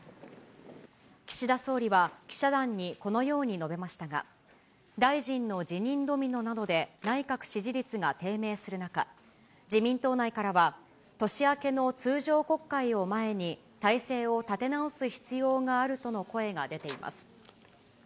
岸田総理は記者団にこのように述べましたが、大臣の辞任ドミノなどで内閣支持率が低迷する中、自民党内からは、年明けの通常国会を前に、体制を立て直す必要があるとの声が出ています。